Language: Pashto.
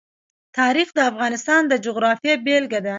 تاریخ د افغانستان د جغرافیې بېلګه ده.